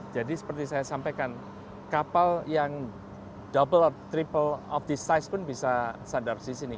jadi seperti saya sampaikan kapal yang double or triple of this size pun bisa sadar di sini